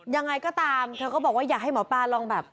ยังไงก็ตามเธอก็บอกว่าอยากให้หมอปลาลองแบบ